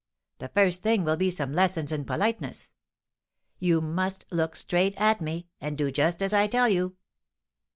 The first thing will be some lessons in politeness. You must look straight at me and do just as I tell you."